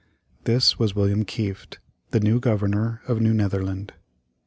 This was William Kieft, the new Governor of New Netherland.